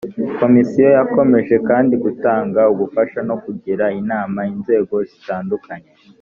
komisiyo yakomeje kandi gutanga ubufasha no kugira inama inzego zitandukanye